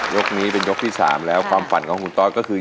ยกนี้เป็นยกที่๓แล้วความฝันของคุณตอสก็คือ